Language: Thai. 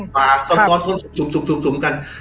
ปากก็ต้มกัน